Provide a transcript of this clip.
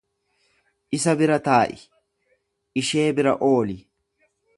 Isa bira taa'i, ishee bira ooli.